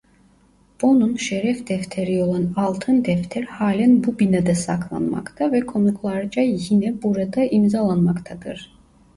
Bonn'un şeref defteri olan altın defter halen bu binada saklanmakta ve konuklarca yine burada imzalanmaktadır.